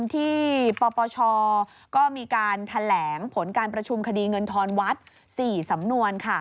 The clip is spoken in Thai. ที่ปปชก็มีการแถลงผลการประชุมคดีเงินทอนวัด๔สำนวน